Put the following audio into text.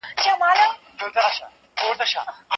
دا داستان د یوې نوې نړۍ هیلې زیږوي.